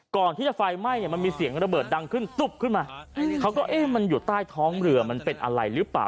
ก่อนที่จะไฟไหม้มันมีเสียงระเบิดดังขึ้นตุ๊บขึ้นมาเขาก็เอ๊ะมันอยู่ใต้ท้องเรือมันเป็นอะไรหรือเปล่า